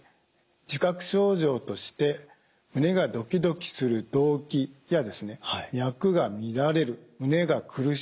自覚症状として胸がドキドキする動悸や脈が乱れる胸が苦しい・